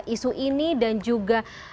isu ini dan juga